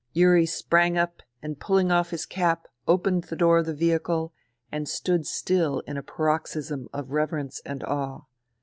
Yuri sprang up and pulling off his cap opened the door of the vehicle and stood still in a paroxysm of reverence and awe.